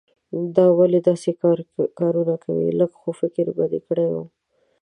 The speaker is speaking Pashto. دا ولې داسې کارونه کوې؟ لږ خو فکر به دې کړای وو.